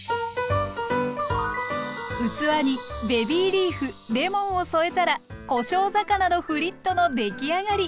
器にベビーリーフレモンを添えたらこしょう魚のフリットのできあがり。